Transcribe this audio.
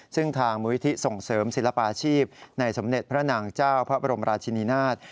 ซึ่งทางมูลนิธิส่งเสริมศิลปาชีพในสมเด็จพระนางเจ้าพระบรมราชินินาศ